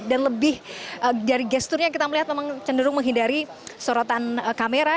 dan lebih dari gesture nya kita melihat memang cenderung menghindari sorotan kamera